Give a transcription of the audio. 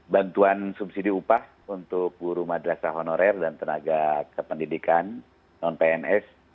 bantuan subsidi upah untuk guru madrasah honorer dan tenaga kependidikan non pns